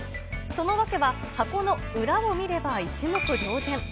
その訳は、箱の裏を見れば一目瞭然。